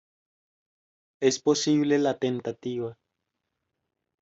Es posible la tentativa.